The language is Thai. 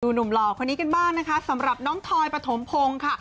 หนุ่มหล่อคนนี้กันบ้างนะคะสำหรับน้องทอยปฐมพงศ์ค่ะ